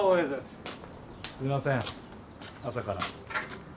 すいません朝から。